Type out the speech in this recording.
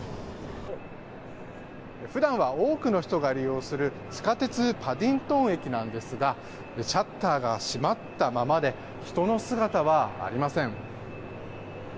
普段は多くの人が利用する地下鉄パディントン駅なんですがシャッターが閉まったままで人の姿はありません。